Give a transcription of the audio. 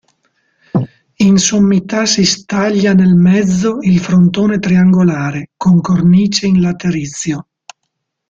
In sommità si staglia nel mezzo il frontone triangolare, con cornice in laterizio.